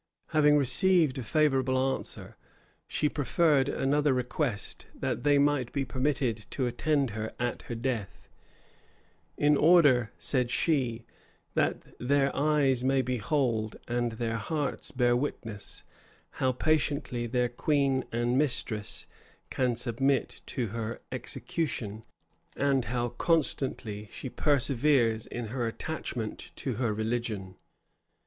Having received a favorable answer, she preferred another request, that they might be permitted to attend her at her death; "in order," said she, "that their eyes may behold, and their hearts bear witness, how patiently their queen and mistress can submit to her execution, and how constantly she perseveres in her attachment to her religion."